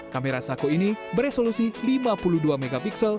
kamera saku ini beresolusi lima puluh dua mp